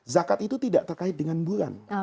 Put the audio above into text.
zakat itu tidak terkait dengan bulan